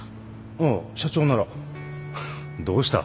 ああ社長ならどうした？